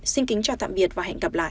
xin kính chào tạm biệt và hẹn gặp lại